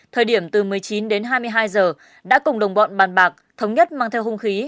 thời điểm từ một mươi chín đến hai mươi hai giờ đã cùng đồng bọn bàn bạc thống nhất mang theo hung khí